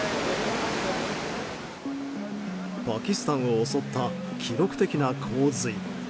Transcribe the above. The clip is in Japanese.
パキスタンを襲った記録的な洪水。